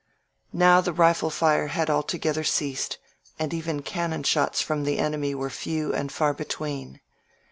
.•• Now the rifle fire had altogether ceased, and even cannon shots from the enemy were few and far between.